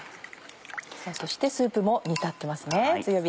そしてスープも煮立ってますね強火で。